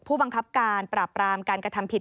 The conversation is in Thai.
ผู้บังคับการปราบรามการกระทำผิด